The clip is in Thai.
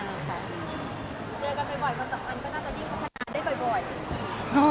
เจอกันบ่อยกันสักครั้งก็น่าจะได้พัฒนาได้บ่อย